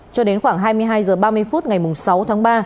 cho đến khoảng hai mươi hai h ba mươi phút ngày sáu tháng ba